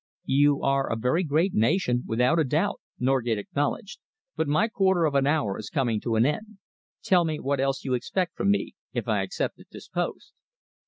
"You are a very great nation, without a doubt," Norgate acknowledged, "but my quarter of an hour is coming to an end. Tell me what else you would expect from me if I accepted this post?"